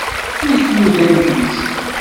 Nekk ur d Anglizi.